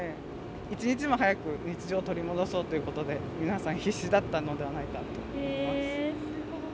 一日も早く日常を取り戻そうということで皆さん必死だったのではないかと思います。